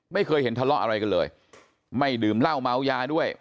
ไม่เคยเห็นทะเลาะอะไรกันเลยไม่ดื่มเหล้าเมายาด้วย